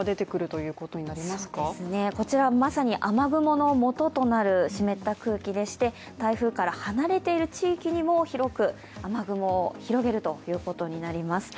そうですね、こちらまさに雨雲のもととなる湿った空気でして台風から離れている地域にも広く雨雲を広げるということになります。